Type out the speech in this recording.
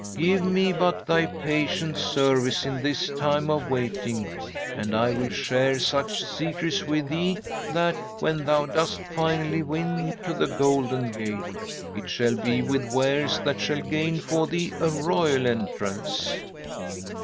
Give me but thy patient service in this time of waiting, and I will share such secrets with thee that, when thou dost finally win to the Golden Gate, it shall be with wares that shall gain for thee a royal entrance."